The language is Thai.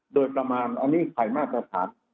โดยประมาณอันนี้ไขมาตรฐาน